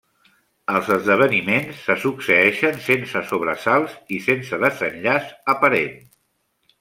Els esdeveniments se succeeixen sense sobresalts i sense desenllaç aparent.